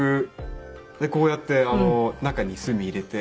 こうやって中に炭入れて。